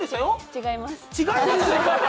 「違います」？